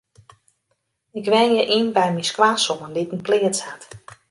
Ik wenje yn by my skoansoan dy't in pleats hat.